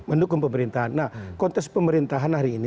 mendukung pemerintahan nah kontes pemerintahan hari ini